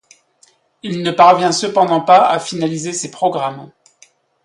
Il ne parvient cependant pas à finaliser ces programmes.